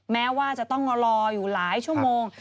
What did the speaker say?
แม้ว่าจะต้องรออยู่หลายชั่วโมง